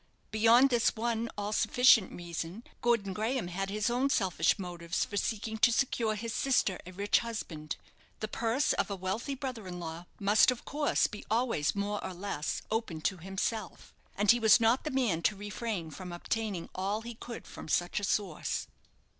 Beyond this one all sufficient reason, Gordon Graham had his own selfish motives for seeking to secure his sister a rich husband. The purse of a wealthy brother in law must, of course, be always more or less open to himself; and he was not the man to refrain from obtaining all he could from such a source.